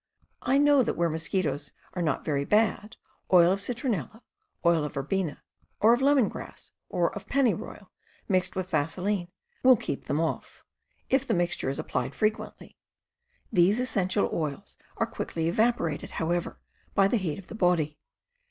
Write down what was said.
I know that where mosquitoes are not very bad, oil of citronella, oil of verbena or of lemon grass or of pennyroyal mixed with vaselin will keep them oft", if the mixture is applied frequently. These essential oils are quickly evaporated, however, by the heat of the body.